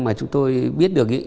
mà chúng tôi biết được